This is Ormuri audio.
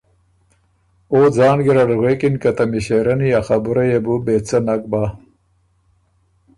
او ځان ګیرډه غوېکِن که ته مِݭېرنی ا خبُره يې بو بې څۀ نک بۀ۔